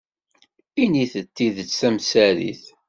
Init-d tidet tamsarit.